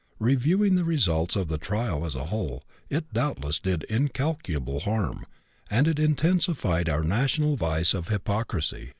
Reviewing the results of the trial as a whole, it doubtless did incalculable harm, and it intensified our national vice of hypocrisy.